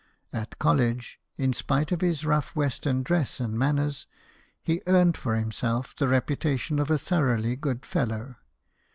At college, in spite of his rough western dress and manners, he earned for himself the reputation of a thoroughly good fellow.